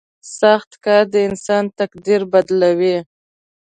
• سخت کار د انسان تقدیر بدلوي.